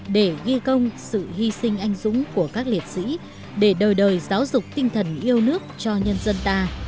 để ghi công sự hy sinh anh dũng của các liệt sĩ để đời đời giáo dục tinh thần yêu nước cho nhân dân ta